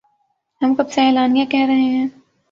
ہم کب سے اعلانیہ کہہ رہے ہیں